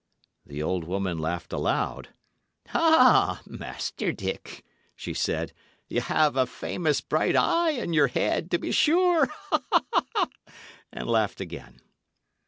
The old woman laughed aloud. "Ah, Master Dick," she said, "y' have a famous bright eye in your head, to be sure!" and laughed again.